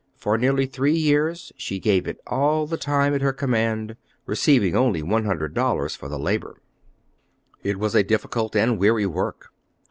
For nearly three years she gave it all the time at her command, receiving only one hundred dollars for the labor. It was a difficult and weary work.